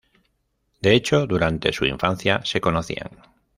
De hecho durante su infancia, se conocían.